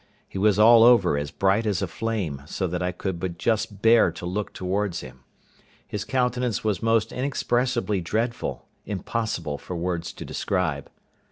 He was all over as bright as a flame, so that I could but just bear to look towards him; his countenance was most inexpressibly dreadful, impossible for words to describe.